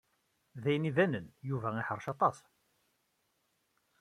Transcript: D ayen ibanen, Yuba iḥrec aṭas.